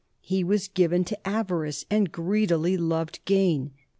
He was given to avarice, and greedily loved gain.